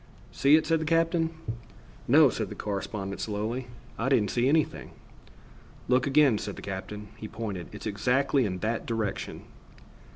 "See it?" said the captain. "No," said the correspondent slowly, "I didn't see anything." "Look again," said the captain. He pointed. "It's exactly in that direction."